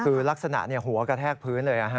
คือลักษณะหัวกระแทกพื้นเลย